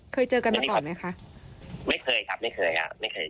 เคยเจอกันมาก่อนไหมคะไม่เคยครับไม่เคยครับไม่เคย